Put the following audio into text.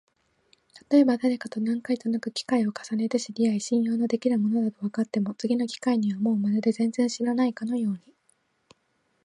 たとえばだれかと何回となく機会を重ねて知り合い、信用のできる者だとわかっても、次の機会にはもうまるで全然知らないかのように、